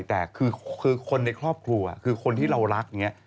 แต่คือคนในครอบครัวคือคนที่เรารักอย่างนี้